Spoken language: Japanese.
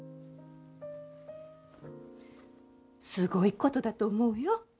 すごいことだと思うよ。